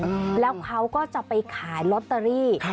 อือแล้วเขาก็จะไปขายล็อตเตอรี่